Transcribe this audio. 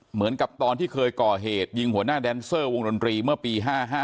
เหมือนกับตอนที่เคยก่อเหตุยิงหัวหน้าแดนเซอร์วงดนตรีเมื่อปี๕๕